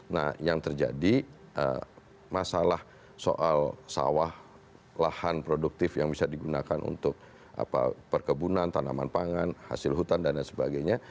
nah yang terjadi masalah soal sawah lahan produktif yang bisa digunakan untuk perkebunan tanaman pangan hasil hutan dan lain sebagainya